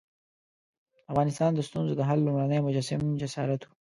د افغانستان د ستونزو د حل لومړنی مجسم جسارت وو.